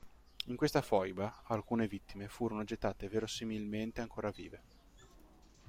In questa foiba, alcune vittime furono gettate verosimilmente ancora vive.